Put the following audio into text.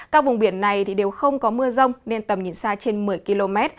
các vùng biển này đều không có mưa rông nên tầm nhìn xa trên một mươi km